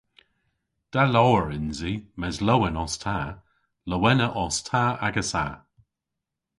Da lowr yns i mes lowen os ta. Lowenna os ta agessa!